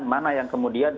mana yang kemudian